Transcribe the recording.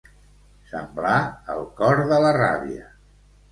Semblar el cor de la ràbia.